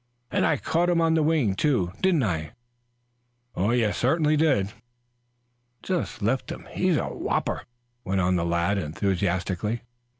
"And I caught him on the wing, too, didn't I?" "You certainly did." "Just lift him. He's a whopper," went on the lad enthusiastically.